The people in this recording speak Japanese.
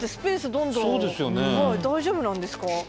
どんどん大丈夫なんですか？